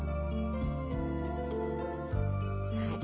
はい。